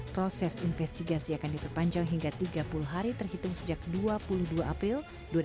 proses investigasi akan diperpanjang hingga tiga puluh hari terhitung sejak dua puluh dua april dua ribu delapan belas